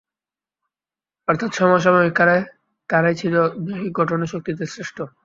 অর্থাৎ সমসাময়িক কালে তারাই ছিল দৈহিক গঠন ও শক্তিতে শ্রেষ্ঠ।